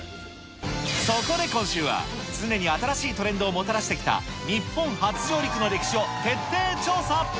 そこで今週は、常に新しいトレンドをもたらしてきた日本初上陸の歴史を徹底調査。